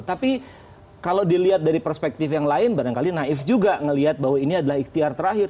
tapi kalau dilihat dari perspektif yang lain barangkali naif juga melihat bahwa ini adalah ikhtiar terakhir